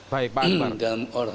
baik pak anwar